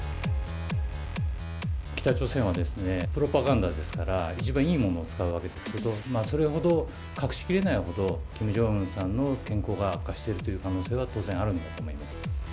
北朝鮮は、プロパガンダですから、自分にいいものを使うわけですけれども、それほど、隠しきれないほど、キム・ジョンウンさんの健康が悪化しているという可能性は、当然あるんだと思います。